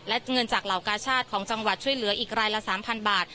และเงินจากเหล่ากาชาติของจังหวัดช่วยเหลืออีกรายละ๓๐๐บาท